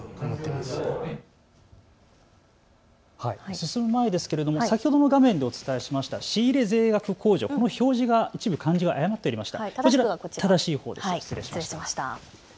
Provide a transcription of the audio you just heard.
進む前ですけれども先ほどの画面でお伝えしました仕入れ税額控除、この表示が一部、漢字が誤っていました。